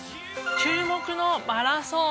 注目のマラソン。